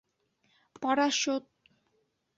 Парашют!